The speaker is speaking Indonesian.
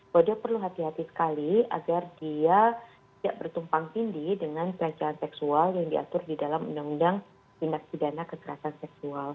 kita harus melihat sekali agar dia tidak bertumpang pindi dengan perancangan seksual yang diatur di dalam undang undang tindak pidana kekerasan seksual